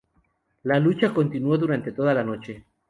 La lucha continuó durante toda la noche.